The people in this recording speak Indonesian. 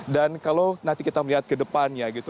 dan kalau nanti kita melihat kedepannya gitu